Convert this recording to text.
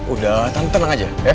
udah tante tenang aja ya